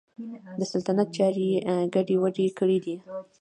د سلطنت چارې یې ګډې وډې کړي دي.